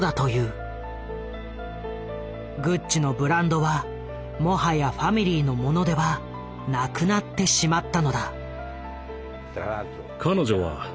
グッチのブランドはもはやファミリーのものではなくなってしまったのだ。